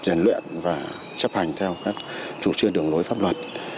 rèn luyện và chấp hành theo các chủ trương đường lối pháp luật